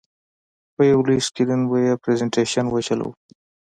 په یو لوی سکرین به یې پرزینټېشن وچلوو.